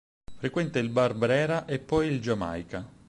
Frequenta il Bar Brera e poi il Jamaica.